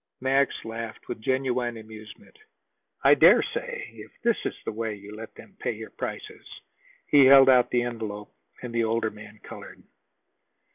Max laughed with genuine amusement. "I dare say, if this is the way you let them pay your prices." He held out the envelope, and the older man colored.